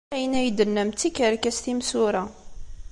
Ayen ay d-tennam d tikerkas timsura.